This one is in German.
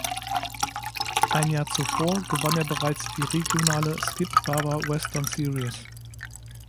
Ein Jahr zuvor gewann er bereits die regionale "Skip Barber Western Series".